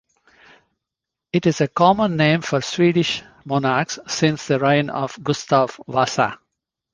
It is a common name for Swedish monarchs since the reign of Gustav Vasa.